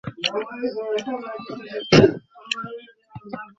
Police বলছে, মাদক দ্রব্য বেচা-কেনা নিয়ে দ্বন্দ্বের জেরে হামলা ঘটনা ঘটে থাকতে পারে।